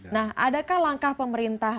nah adakah langkah pemerintah